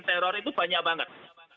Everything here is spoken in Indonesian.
teror itu banyak banget